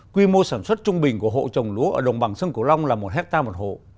quy mô sản xuất trung bình của hộ trồng lúa ở đồng bằng sông cửu long là một hectare một hộ